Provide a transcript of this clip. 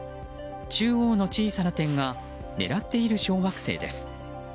中央の小さな点が狙っている小惑星です。